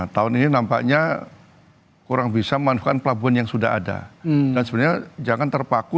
tahun ini nampaknya kurang bisa memanfaatkan pelabuhan yang sudah ada dan sebenarnya jangan terpaku